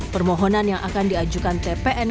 permohonan yang akan diajukan tpn